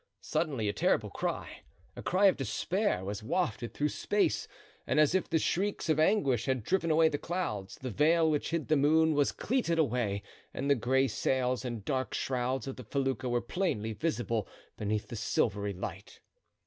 Suddenly a terrible cry, a cry of despair, was wafted through space; and as if the shrieks of anguish had driven away the clouds, the veil which hid the moon was cleated away and the gray sails and dark shrouds of the felucca were plainly visible beneath the silvery light.